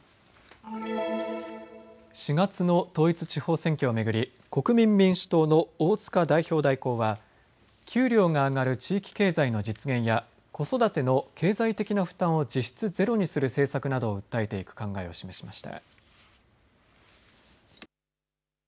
４月の統一地方選挙を巡り国民民主党の大塚代表代行は給料が上がる地域経済の実現や子育ての経済的な負担を実質ゼロにする政策などを訴えていく考えを示しました。